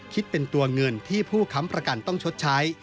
คิดเป็นตัวเงินที่ผู้ค้ำประกันต้องชดใช้